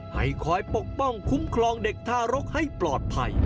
ให้คอยปกป้องคุ้มครองเด็กทารกให้ปลอดภัย